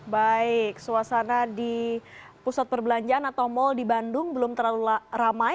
baik suasana di pusat perbelanjaan atau mal di bandung belum terlalu ramai